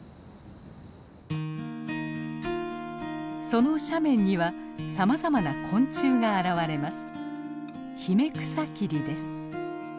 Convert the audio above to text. その斜面にはさまざまな昆虫が現れます。